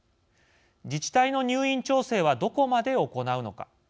自治体の入院調整はどこまで行うのか。